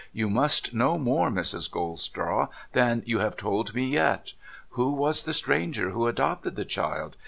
You must know more, Mrs. Goldstraw, than you have told me yet. Who was the stranger who adopted the child